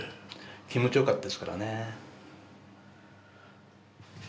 気持ちよかったですからね。